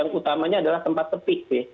yang utamanya adalah tempat sepi sih